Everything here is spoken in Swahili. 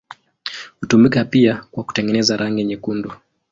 Hutumika pia kwa kutengeneza rangi nyekundu.